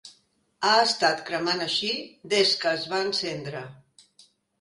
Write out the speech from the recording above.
Ha estat cremant així des que es va encendre.